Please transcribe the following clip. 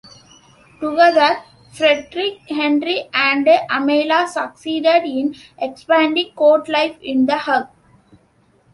Together Frederick Henry and Amalia succeeded in expanding court life in The Hague.